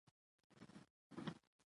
زمرد د افغانانو د تفریح یوه وسیله ده.